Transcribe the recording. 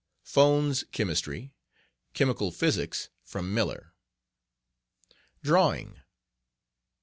Fowne's Chemistry. Chemical Physics, from Miller. Drawing...................